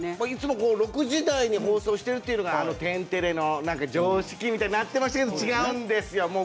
いつも６時台に放送してるというのが「天てれ」の常識みたいになってましたけど違うんですよ。